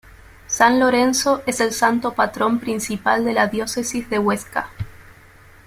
San Lorenzo es el santo patrón principal de la Diócesis de Huesca.